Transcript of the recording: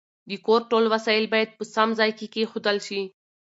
د کور ټول وسایل باید په سم ځای کې کېښودل شي.